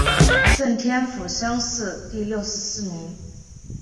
顺天府乡试第六十四名。